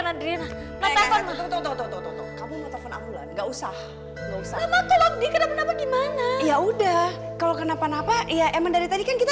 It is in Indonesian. nggak usah usah gimana ya udah kalau kenapa kenapa ya emang dari tadi kan kita